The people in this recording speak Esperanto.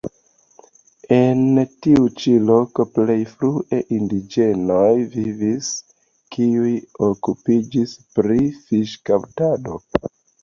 En tiu ĉi loko plej frue indiĝenoj vivis, kiuj okupiĝis pri fiŝkaptado.